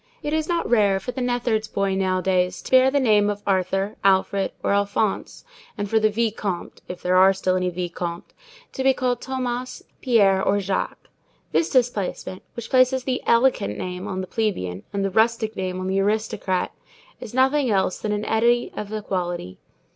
It is not rare for the neatherd's boy nowadays to bear the name of Arthur, Alfred, or Alphonse, and for the vicomte—if there are still any vicomtes—to be called Thomas, Pierre, or Jacques. This displacement, which places the "elegant" name on the plebeian and the rustic name on the aristocrat, is nothing else than an eddy of equality.